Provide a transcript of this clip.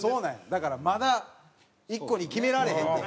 だからまだ１個に決められへんって。